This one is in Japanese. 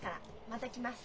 また来ます。